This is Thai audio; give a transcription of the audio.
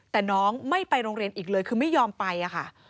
แต่น้องไม่ไปโรงเรียนอีกเลยคือไม่ยอมไปค่ะ